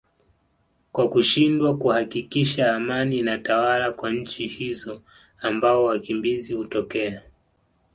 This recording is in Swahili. kwa kushindwa kuhakikisha amani inatawala kwa nchi hizo ambao wakimbizi hutokea